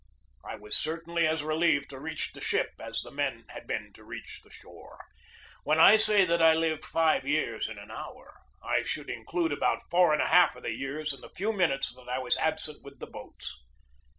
I was certainly as relieved to reach the ship as the men had been to reach shore. When I say that I lived five years in an hour, I should include about four and a half of the years in the few minutes that I was absent with the boats.